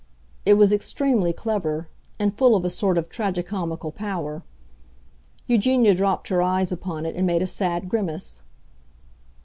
It was extremely clever, and full of a sort of tragi comical power. Eugenia dropped her eyes upon it and made a sad grimace.